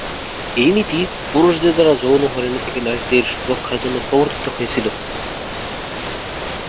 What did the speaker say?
এই নীতি পুরুষদের দ্বারা যৌন হয়রানি থেকে নারীদের সুরক্ষার জন্য প্রবর্তিত হয়েছিল।